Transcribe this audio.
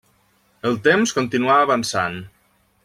El temps continuà avançant.